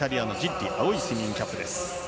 青いスイミングキャップです。